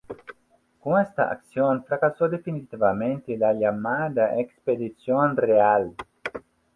Con esta acción fracasó definitivamente la llamada "Expedición Real".